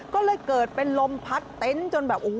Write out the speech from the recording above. ก็เลยเกิดเป็นลมพัดเต็นต์จนแบบโอ้โห